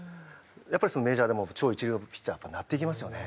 やっぱりメジャーでも超一流のピッチャーなっていきますよね。